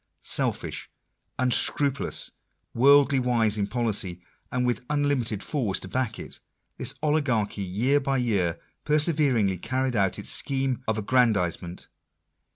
Selfish, unscrupulous, worldly wise in policy, and with unlimited force to back it, this oligarchy, year by year, perseveringly carried out its schemes of aggrandisement.